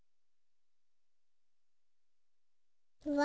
うわ。